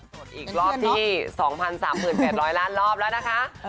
อีกรอบที่๒๓๘๐๐ล้านรอบแล้วนะคะ